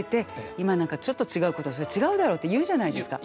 今なんかちょっと違うことすると「違うだろ」って言うじゃないですか。